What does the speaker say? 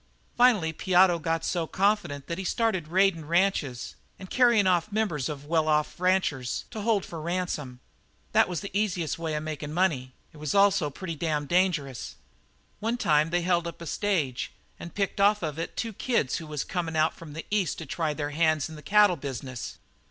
Finally Piotto got so confident that he started raidin' ranches and carryin' off members of well off ranchers to hold for ransom. That was the easiest way of makin' money; it was also pretty damned dangerous. "One time they held up a stage and picked off of it two kids who was comin' out from the East to try their hands in the cattle business.